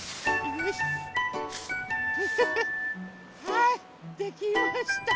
はいできました！